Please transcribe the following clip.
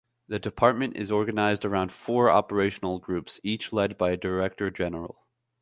The department is organised around four operational groups, each led by a director general.